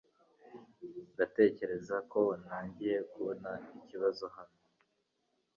Ndatekereza ko ntangiye kubona ikibazo hano.